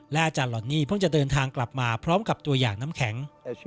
อาจารย์ลอนนี่เพิ่งจะเดินทางกลับมาพร้อมกับตัวอย่างน้ำแข็ง